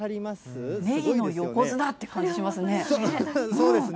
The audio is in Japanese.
ねぎの横綱って感じしますね。